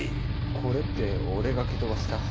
これって俺が蹴飛ばした。